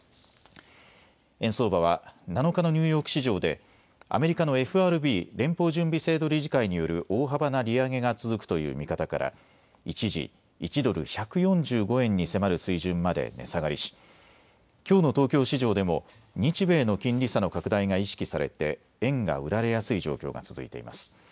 円相場は７日のニューヨーク市場でアメリカのＦＲＢ・連邦準備制度理事会による大幅な利上げが続くという見方から一時、１ドル１４５円に迫る水準まで値下がりし、きょうの東京市場でも日米の金利差の拡大が意識されて円が売られやすい状況が続いています。